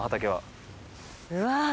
うわ！